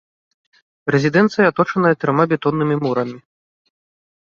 Рэзідэнцыя аточаная трыма бетоннымі мурамі.